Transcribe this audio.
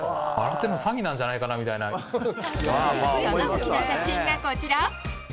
その時の写真が、こちら。